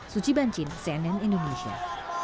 suci bancin cnn indonesia